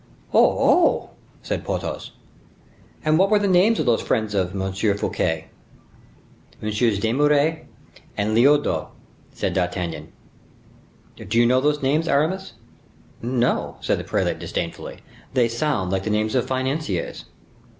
"Oh, oh!" said Porthos; "and what were the names of these friends of M. Fouquet?" "MM. d'Eymeris and Lyodot," said D'Artagnan. "Do you know these names, Aramis?" "No," said the prelate, disdainfully; "they sound like the names of financiers."